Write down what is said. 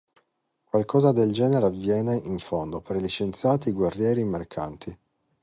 Qualcosa del genere avviene, in fondo, per gli scienziati, i guerrieri, i mercanti.